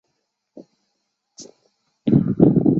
王朝闻自幼喜爱绘画。